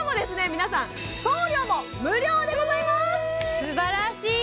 皆さん送料も無料でございますすばらしい！